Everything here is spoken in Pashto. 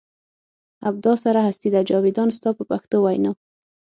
ابدا سره هستي ده جاویدان ستا په پښتو وینا.